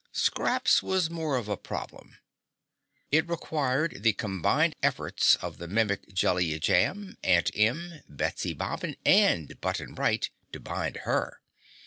Scraps was more of a problem. It required the combined efforts of the Mimic Jellia Jamb, Aunt Em, Betsy Bobbin and Button Bright to bind her.